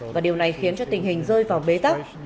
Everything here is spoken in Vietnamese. và điều này khiến cho tình hình rơi vào bế tắc